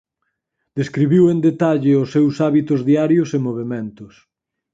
Describiu en detalle os seus hábitos diarios e movementos.